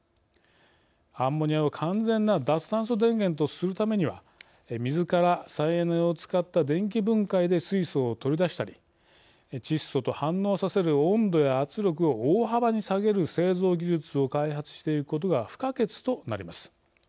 アンモニアを完全な脱炭素電源とするためには水から再エネを使った電気分解で水素を取り出したり窒素と反応させる温度や圧力を大幅に下げる製造技術を開発していくことが不可欠となります。